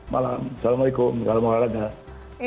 malam assalamualaikum assalamualaikum wr wb